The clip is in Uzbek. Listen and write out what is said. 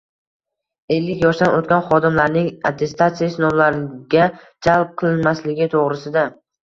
ellik yoshdan o‘tgan xodimlarning attestatsiya sinovlariga jalb qilinmasligi to‘g‘risida